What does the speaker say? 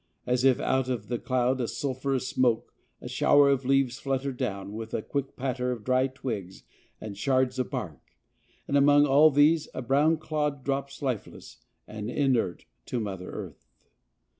As if out of the cloud of sulphurous smoke, a shower of leaves flutter down, with a quicker patter of dry twigs and shards of bark, and among all these a brown clod drops lifeless and inert to mother earth.